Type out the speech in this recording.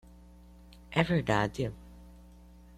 É verdade?